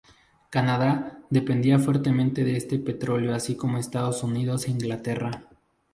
Canadá dependía fuertemente de este petróleo así como Estados Unidos e Inglaterra.